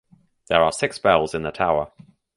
There are six bells in the tower.